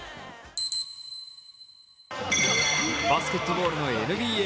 バスケットボールのＮＢＡ。